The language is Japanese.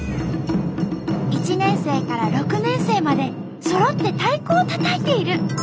１年生から６年生までそろって太鼓をたたいている。